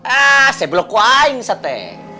ah saya belum kembali sete